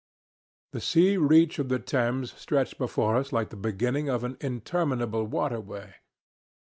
The sea reach of the Thames stretched before us like the beginning of an interminable waterway.